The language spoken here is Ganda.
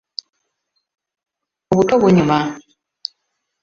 Obuto bunyuma!